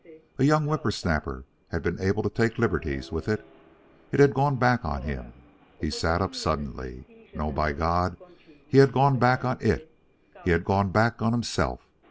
A young whippersnapper had been able to take liberties with it. It had gone back on him. He sat up suddenly. No, by God, he had gone back on it! He had gone back on himself.